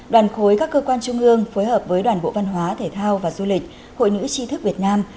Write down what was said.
đoàn khối các cơ quan trung ương phối hợp với đoàn bộ văn hóa thể thao và du lịch hội nữ tri thức việt nam